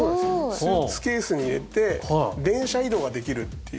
スーツケースに入れて電車移動ができるっていう。